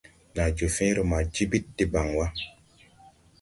Nàa joo fẽẽre ma jibid debaŋ wà.